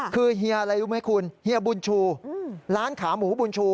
คือเฮียอะไรรู้ไหมคุณเฮียบุญชูร้านขาหมูบุญชู